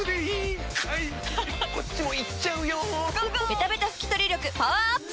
ベタベタ拭き取り力パワーアップ！